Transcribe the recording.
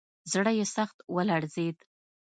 زړه یې سخت ولړزېد.